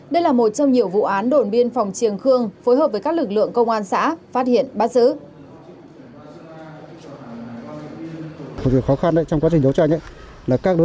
đây là một trong nhiều vụ án đồn biên phòng triềng khương phối hợp với các lực lượng công an xã phát hiện bắt giữ